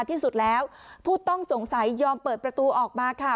ที่สุดแล้วผู้ต้องสงสัยยอมเปิดประตูออกมาค่ะ